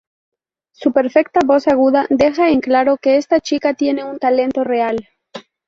Su perfecta voz aguda deja en claro que esta chica tiene un talento real".